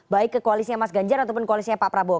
baik ke koalisnya mas ganjar ataupun koalisnya pak prabowo